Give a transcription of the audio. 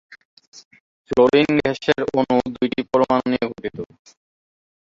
Fluorine গ্যাসের অণু দুইটি পরমাণু নিয়ে গঠিত।